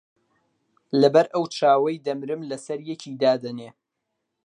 لەبەر ئەو چاوەی دەمرم لەسەر یەکی دادەنێ